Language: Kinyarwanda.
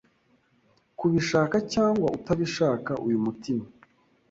Kubishaka cyangwa utabishaka uyu mutima